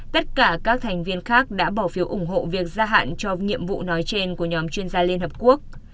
tất cả các thành viên khác đã bỏ phiếu ủng hộ việc gia hạn cho nhiệm vụ nói trên của nhóm chuyên gia liên hợp quốc